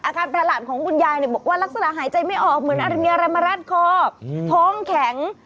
ประหลาดของคุณยายบอกว่าลักษณะหายใจไม่ออกเหมือนอะไรมีอะไรมารัดคอท้องแข็ง